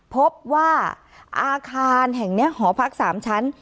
พบว่าอาคารแห่งนี้หอพัก๓ชั้น